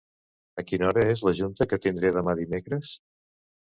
A quina hora és la junta que tindré demà dimecres?